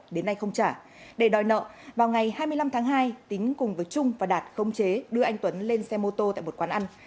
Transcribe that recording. đến nay không trả để đòi nợ vào ngày hai mươi năm tháng hai tính cùng với trung và đạt không chế đưa anh tuấn lên xe mô tô tại một quán ăn